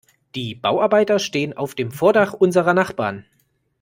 Die Bauarbeiter stehen auf dem Vordach unserer Nachbarn.